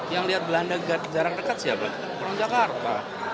yang melihat belanda jarang dekat siapa orang jakarta